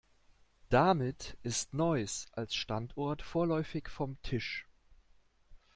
Damit ist Neuss als Standort vorläufig vom Tisch.